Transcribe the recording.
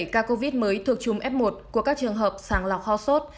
một mươi bảy ca covid mới thuộc chùm f một của các trường hợp sàng lọc ho sốt